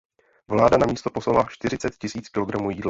Vláda na místo poslala čtyřicet tisíc kilogramů jídla.